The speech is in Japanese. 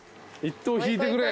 １等引いてくれ。